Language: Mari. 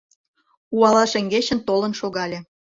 Уала шеҥгечын толын шогале.